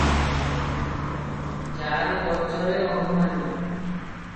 ଯାର ଗୋଚରେ ଅନୁମାନି ।